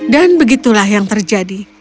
dan begitulah yang terjadi